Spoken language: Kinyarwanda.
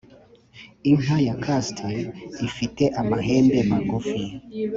inka ya curst ifite amahembe magufi.